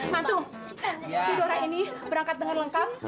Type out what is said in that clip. mantu si dora ini berangkat dengan lengkap